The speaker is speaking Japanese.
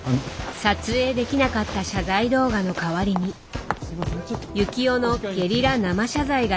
撮影できなかった謝罪動画の代わりに幸男のゲリラ生謝罪が実行された。